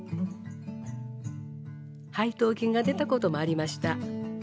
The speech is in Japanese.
配当金が出たこともありました。